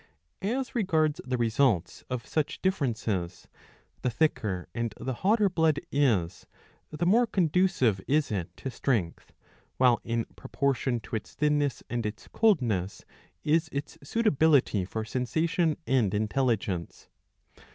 As regards the results of such dif ferences, the thicker and the hotter blood is, the more con ducive is it to strength, while in proportion to its thinness and its coldness is its suitability for sensation and intelligence.